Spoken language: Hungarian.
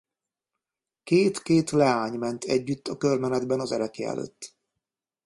Két-két leány ment együtt a körmenetben az ereklye előtt.